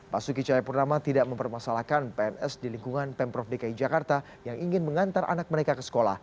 basuki cahayapurnama tidak mempermasalahkan pns di lingkungan pemprov dki jakarta yang ingin mengantar anak mereka ke sekolah